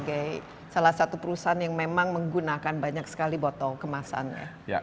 sebagai salah satu perusahaan yang memang menggunakan banyak sekali botol kemasannya